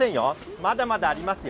まだまだありますよ